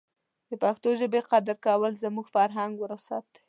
د پښتو ژبې قدر کول زموږ فرهنګي وراثت دی.